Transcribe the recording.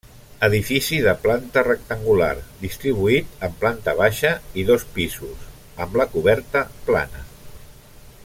Edifici de planta rectangular, distribuït en planta baixa i dos pisos, amb la coberta plana.